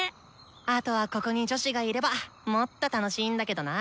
あとはここに女子がいればもっと楽しいんだけどな。